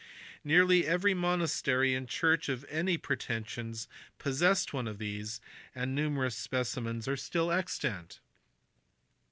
Nearly every monastery and church of any pretensions possessed one of these, and numerous specimens are still extant.